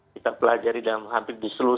kita pelajari dan hampir di seluruh